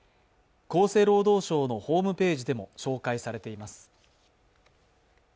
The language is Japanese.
厚生労働省のホームページでも紹介されています。